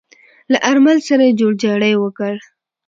له آرمل سره يې جوړجاړی وکړ.